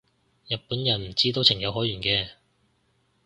日本人唔知都情有可原嘅